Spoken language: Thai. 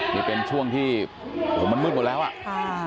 นี่เป็นช่วงที่มันมืดหมดแล้วอ่ะ